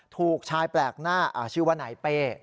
ถูกชายแปลกหน้าชื่อว่านายเป้